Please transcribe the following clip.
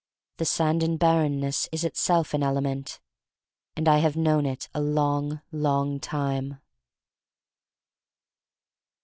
The sand and barrenness is itself an element, and I have known it a long, long time.